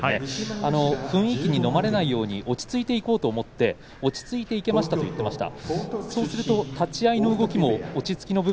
雰囲気にのまれないように落ち着いていこうと思って落ち着いていけましたと話していました。